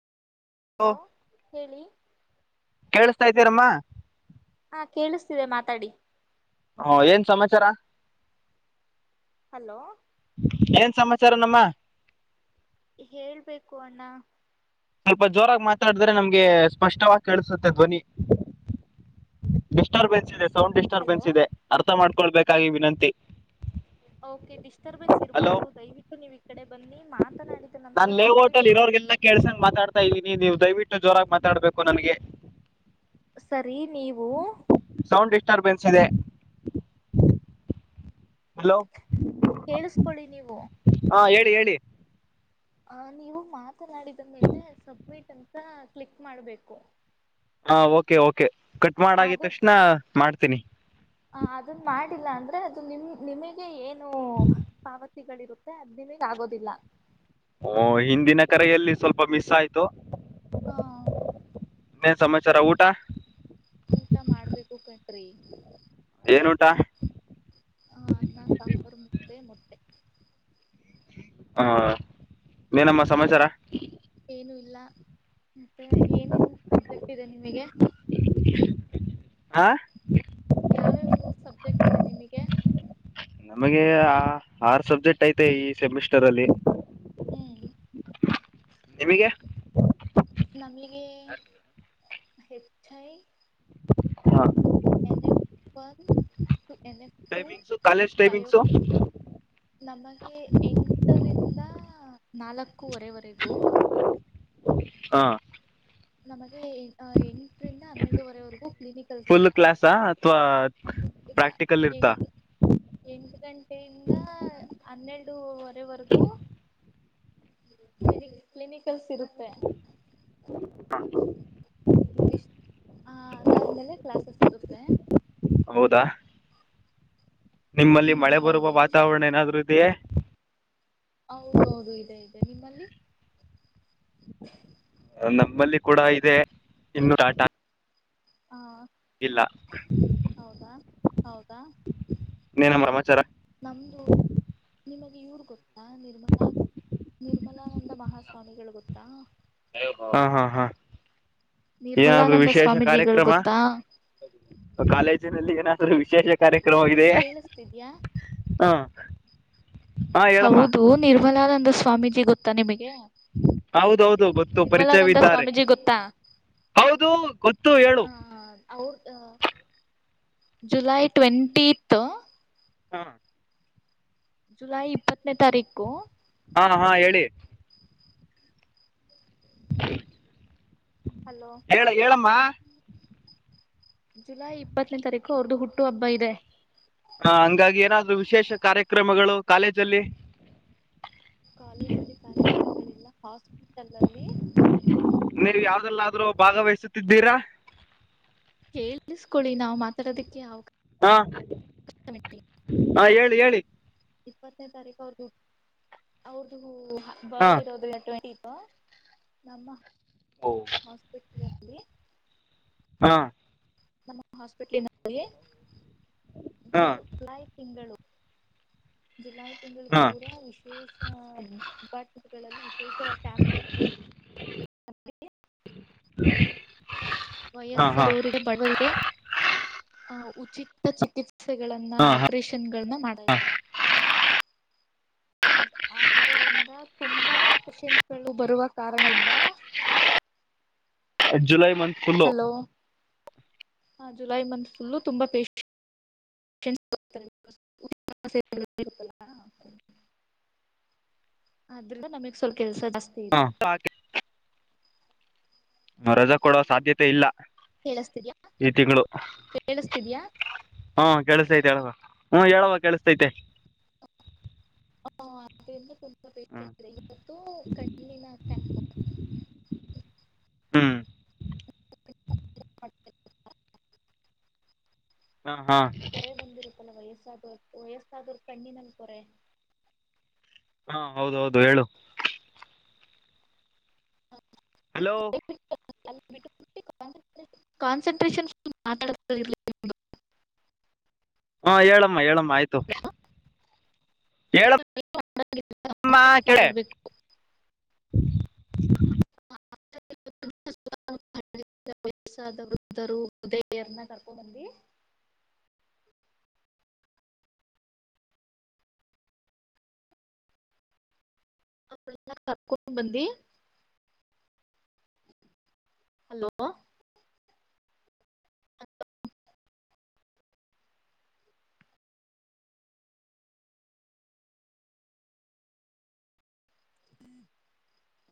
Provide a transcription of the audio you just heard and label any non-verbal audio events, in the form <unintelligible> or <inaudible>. Hello ಹೇಳಿ ಕೇಳಿಸ್ತಾಇದ್ದೇನಮ್ಮ ಹಾ ಕೇಳಿಸ್ತಿದೆ ಮಾತಾಡಿ ಹ ಏನ್ ಸಮಾಚಾರ ಹಲೋ ಏನ್ ಸಮಾಚಾರನಮ್ಮ ಹೇಳ್ಬೇಕು ಅಣ್ಣ ಸ್ವಲ್ಪ ಜೋರಾಗಿ ಮಾತಾಡಿದ್ರೆ ನಮ್ಗೆ ಸ್ಪಷ್ಟವಾಗಿ ಕೇಳ್ಸುತ್ತೆ ಧ್ವನಿ ಡಿಸ್ಟರ್ಬೆನ್ಸ್ ಇದೆ ಸೌಂಡ್ ಹಲೋ ಡಿಸ್ಟರ್ಬೆನ್ಸ್ ಇದೆ ಅರ್ಥ ಮಾಡ್ಕೊಳ್ಬೇಕಾಗಿ ವಿನಂತಿ ಓಕೆ ಡಿಸ್ಟರ್ಬೆನ್ಸ್ ಹಲೋ ಇರಬಾರ್ದು ದಯವಿಟ್ಟು ನೀವ್ ಈ ಕಡೆ ಬನ್ನಿ ಮಾತ್ ಮಾತಾನಾಡಿದ ನಂತರ ಸಬ್ಮಿಟ್ ಒತ್ತು ಕೆಳ್ಸಂಗ್ ಮಾತಾಡ್ತಾ ಇದ್ದೀನಿ ನೀವು ದಯವಿಟ್ಟು ಜೋರಾಗ್ ಮಾತಾಡ್ಬೇಕು ನನ್ಗೆ ಸರಿ ನೀವು ಸೌಂಡ್ ಡಿಸ್ಟರ್ಬೆನ್ಸ್ ಇದೆ ಹಲೋ ಕೇಳಿಸ್ಕೊಳ್ಳಿ ನೀವು ಹಾ ಹೇಳಿ ಹೇಳಿ ಆ ನೀವು ಮಾತನಾಡಿದ ಮೇಲೆ ಸಬ್ಮಿಟ್ ಅಂತ ಕ್ಲಿಕ್ ಮಾಡ್ಬೇಕು ಹಾ ಓಕೆ ಓಕೆ ಕಟ್ ಮಾಡಾಗಿದ್ ತಕ್ಷಣ ಮಾಡ್ತೀನಿ ಹ ಅದನ್ ಮಾಡಿಲ್ಲ ಅಂದ್ರೆ ಅದು ನಿಮ್ ನಿಮಗೆ ಏನೂ ಪಾವತಿ ತಿಗಳು ಇರುತ್ತೆ ಅದು ನಿಮಗೆ ಆಗೋದಿಲ್ಲ ಓ ಹಿಂದಿನ ಕರೆಯಲ್ಲಿ ಸ್ವಲ್ಪ ಮಿಸ್ ಆಯ್ತು ಹ ಇನ್ನೇನ್ ಸಮಾಚಾರ ಊಟ ಊಟ ಮಾಡ್ಬೇಕು ಕಂಡ್ರಿ ಏನೂಟ ಹ ಅನ್ನ ಸಾಂಬಾರು ಮುದ್ದೆ ಮೊಟ್ಟೆ ಹಾ ಏನಮ್ಮ ಸಮಾಚಾರ ಏನು ಇಲ್ಲ ಮತ್ತೆ ಏನೇನ್ ಸಬ್ಜೆಕ್ಟ್ ಇದೆ ನಿಮಿಗೆ ಹಾ ಯಾವ್ಯಾವು ಸಬ್ಜೆಕ್ಟ್ ಇದೆ ನಿಮಗೆ ನಮಗೇ ಅ ಆರು ಸಬ್ಜೆಕ್ಟ್ ಐತೆ ಈ ಸೆಮಿಸ್ಟರಲ್ಲಿ ಹ್ಮು ನಿಮಿಗೆ ನಮ್ಗೆ ಹೆಚ್ಚಾಯ ಹಾ ಏನ್ ಎಫ ಒನ್ ಎನ್ ಏಪ ಟು ಟೈಮಿಂಗ್ಸು ಕಾಲೇಜ್ ಬಯೋಕ ಟೈಮಿಂಗ್ಸು ನಮಗೆ ಎಂಟರಿಂದ ನಾಲ್ಕೂವರೆವರೆಗೂ ಹಾ ನಮಗೆ ಎಂಟರಿಂದ ಹನ್ನೆರಡುವರೆವರೆಗೂ ಕ್ಲಿನಿಕಲ್ಸ್ ಫುಲ್ ಇರುತ್ತೆ ಕ್ಲಾಸಾ ಅಥವಾ ಪ್ರಾಕ್ಟಿಕಲ್ ಇರ್ತಾ ಎಂಟ ಗಂಟೆಯಿಂದ ಹನ್ನೆರಡವರೆವರೆಗೂ ಕ್ಲಿನಿ ಕ್ಲಿನಿಕಲ್ಸ್ ಇರುತ್ತೆ. ಹ ದಿಸ್ ಹ ಅದಾದ್ಮೇಲೆ ಕ್ಲಾಸಸ್ ಇರುತ್ತೆ. ಹೌದಾ ನಿಮ್ಮಲ್ಲಿ ಹ್ಮ್ ಮಳೆ ಬರುವ ಹೌದು ವಾತಾವರಣ ಏನಾದ್ರು ಇದೆಯೇ. ಹೌದು ಹೌದು ಇದೆ ಇದೆ ನಿಮ್ಮಲ್ಲಿ <inaudible> ನಮ್ಮಲ್ಲಿ ಕೂಡ ಇದೆ. ನೀ ಇನ್ನು ಹ ಇಲ್ಲ ಹೌದಾ ಹೌದಾ ನೀ ನಮ್ಮ ರಮಾಚಾರ ನಮ್ದು ನಿಮಗೆ ಇವ್ರ ಗೊತ್ತಾ ನಿರ್ಮಲಾ ನಿರ್ಮಲಾನಂದ ಮಹಾಸ್ವಾಮಿಗಳು ಗೊತ್ತಾ. ಹಾ ಹಾ ಹಾ ಏನಾದ್ರು ನಿರ್ಮಲಾನಂದ ವಿಶೇಷ ಸ್ವಾಮೀಜಿಗಳು ಕಾರ್ಯಕ್ರಮ ಗೊತ್ತಾ ಕಾಲೇಜಿನಲ್ಲಿ ಏನಾದ್ರು ವಿಶೇಷ ಕಾರ್ಯಕ್ರಮ ಇದೆಯೇ. ಕೇಳಿಸ್ತಿದ್ಯಾ ಹಾ ಹಾ ಹೇಳಮ್ಮ ಹೌದು ನಿರ್ಮಲಾನಂದ ಸ್ವಾಮೀಜಿ ಗೊತ್ತಾ ನಿಮಗೆ. ಹೌದೌದು ಗೊತ್ತು ಪರಿಚಯ ನಿರ್ಮಲಾನಂದ ವಿದ್ದಾರೆ. ಸ್ವಾಮೀಜಿ ಗೊತ್ತಾ ಹೌದು ಗೊತ್ತು ಹೇಳು. ಅವರ ಜುಲೈ ಟ್ವೆಂಟಿತ್ತ ಹಾ ಜುಲೈ ಇಪ್ಪತ್ತನೇ ತಾರೀಕು. ಹಾ ಹಾ ಹೇಳಿ. ಹಲೋ ಹೇಳ ಹೇಳಮ್ಮ ಜುಲೈ ಇಪ್ಪತ್ತನೇ ತಾರೀಕು ಅವ್ರ್ದು ಹುಟ್ಟು ಹಬ್ಬ ಇದೆ. ಹ ಹಂಗಾಗಿ ಏನಾದ್ರು ವಿಶೇಷ ಕಾರ್ಯಕ್ರಮಗಳು ಕಾಲೇಜಲ್ಲಿ ಕಾಲೇಜಲ್ಲಿ ಕಾರ್ಯಕ್ರಮಗಳಿಲ್ಲ ಹಾಸ್ಪಿಟಲ್ ಅಲ್ಲಿ ನೀವ್ ಯಾವ್ದಲ್ಲಾದ್ರೂ ಭಾಗವಹಿಸುತ್ತಿದ್ದೀರಾ. ತಿಳಿಸ್ಕೊಳ್ಳಿ ನಾವ ಮಾತಾಡೋದಕ್ಕೆ ಅವಾಗ ಹಾ ಹಾ ಹೇಳಿ ಹೇಳಿ. ಇಪ್ಪತ್ತನೇ ತಾರೀಕು ಅವ್ರದು ಅವ್ರದು ಹಾ ಬರ್ಡ್ ಇರೋದುಟ್ಂಟಿತ್ತು. ನಮ್ಮ ಹಾಸ್ಪಿಟಲಲ್ಲಿ ಹ ನಮ್ಮ ಹಾಸ್ಪಿಟ್ಲಿನ ಹಾ ಜೂ ಜುಲೈ ತಿಂಗಳು. ಜುಲೈ ತಿಂಗಳು ಪೂರ ಹಾ ವಿಶೇಷ ಅಪಾರ್ಟ್ಮೆಂಟ್ಗಳಲ್ಲಿ ವಿಶೇಷ್ಯಾಂಪ್ <inaudible> ವಯಸ್ಸ ಹಾ ರ ಅವರಿಗೆ ಬಡವರಿಗೆ ಅ ಉಚಿತ ಚಿಕಿತ್ಸೆ ಸ್ಯೆಗಳನ್ನ ಹಾ ಹಾ ಆಪರೇಷನ್ಗಳನ್ನ ಮಾಡಾರೆ. ಆದ ಆದರಿಂದ ತುಂಬಾ ಪೆಷೆಂಟ್ಗಳು ಬರುವ ಕಾರಣದಿಂದ ಜುಲೈ ಮಂತ ಹಲೋ ಹಾ ಜುಲೈ ಮಂತ್ ಫುಲ್ಲ ತುಂಬಾ <unintelligible> ಎಪಲ್ಲ ಹ <unintelligible> ಅದ್ರಿಂದ ನಮಗ್ ಸ್ವಲ್ ಕೆಲ್ಸ ಜಾಸ್ತಿ. ಹಾ ಇದೆ ರಜ ಕೊಡೋ ಸಾಧ್ಯತೆ ಇಲ್ಲ ಕೇಳಿಸ್ತಿದ್ಯಾ ಈ ತಿಂಗಳು. ಕೇಳಿಸ್ತಿದ್ಯಾ ಹಾ ಕೆೇಳಿಸತೈತೆ ಹೇಳವಾ ಹ್ಮ್ ಹೇಳುವ ಕೆೇಳಸ್ತೈತೆ. ಹ ಆದ್ರಿಂದ ತುಂಬಾ ಹ್ಮ್ ಪೇಶಂಟ್ ಇದೆ ಇವತ್ತು ಕಣ್ಣಿನ ಕ್ಯಾಂಪು. ಹ್ಮ್ <unintelligible> ಹ ಹಾ ಪೊರೆ ಬಂದಿರುತ್ತಲ್ಲ ವಯಸ್ಸಾದೊ ವಯಸ್ತಾದೋರ್ ಕಣ್ಣಿನಲ್ಲ್ ಪೊರೆ. ಹಾ ಹೌದ ಹೌದು ಹೇಳು. ಹಲೋ ಕಾನ್ಸಂಟ್ರೇಷನ್ಫಲ್ ಮಾತಾ <unintelligible> ಹಾ ಹೇಳಮ್ಮ ಹೇಳಮ್ಮ ಆಯ್ತು. ಹೇಳ ಮಾತಾಡ್ಬೇಕು <unintelligible> ವಯಸ್ಸಾದ ವೃದ್ಧರು ಹೃದಯನ್ನ ಕರ್ಕೊಂಡ ಬಂದಿ <unintelligible> ಅವ್ರನ್ನ ಕರ್ಕೊಂಡು ಬಂದಿ ಹಲೋ ಹಲ <unintelligible> <inaudible>